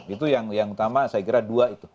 itu yang utama saya kira dua itu